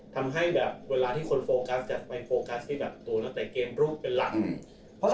ทำให้แบบเวลาที่คนโฟกัสจะไปโฟกัสที่แบบตัวนักเตะเกมร่วมเป็นหลัก